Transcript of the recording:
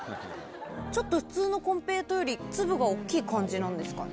ちょっと普通の金平糖より粒が大きい感じなんですかね。